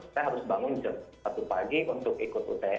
saya harus bangun jam satu pagi untuk ikut uts